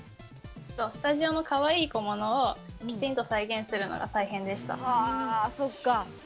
スタジオのかわいい小物をきちんと再現するのが大変でした。